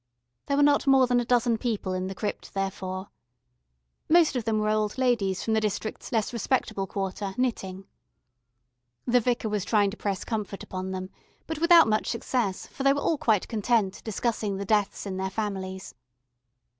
There were not more than a dozen people in the crypt therefore. Most of them were old ladies from the district's less respectable quarter, knitting. The Vicar was trying to press comfort upon them, but without much success, for they were all quite content, discussing the deaths in their families.